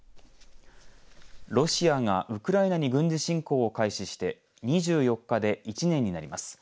ロシアがウクライナに軍事侵攻を開始して２４日で１年になります。